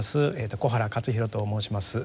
小原克博と申します。